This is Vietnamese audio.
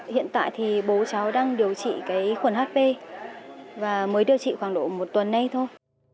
hiện tại bố cháu đang điều trị khuẩn hp và mới điều trị khoảng độ một tuần nay thôi